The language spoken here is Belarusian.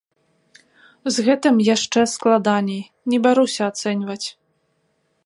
З гэтым яшчэ складаней, не бяруся ацэньваць.